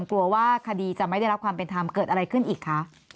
กลัวว่าคดีจะไม่ได้รับความเป็นธรรมเกิดอะไรขึ้นอีกคะ